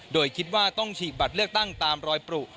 โดยคิดว่าต้องฉีกบัตรเลือกตั้งตามรอยปรุ